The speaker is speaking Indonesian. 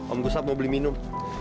om gusap mau beli minum